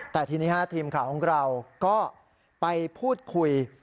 แต่ทีนี้ทีมข่าวของเราก็ไปพูดคุย